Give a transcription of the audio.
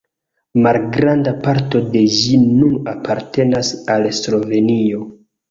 Malgranda parto de ĝi nun apartenas al Slovenio.